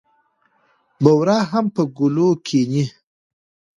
بورا هم پر ګلو کېني.